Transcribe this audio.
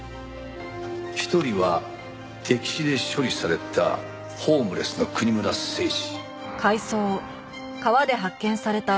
一人は溺死で処理されたホームレスの国村誠司。